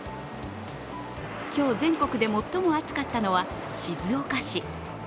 今日全国で最も暑かったのは静岡市。